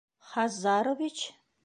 Хаз... зарович?